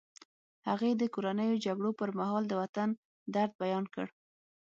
هغې د کورنیو جګړو پر مهال د وطن درد بیان کړ